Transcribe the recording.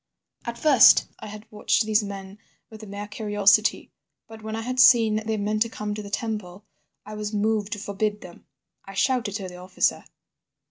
"At first I had watched these men with a mere curiosity, but when I had seen they meant to come to the temple I was moved to forbid them. I shouted to the officer.